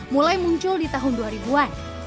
mulai muncul di tahun dua ribu an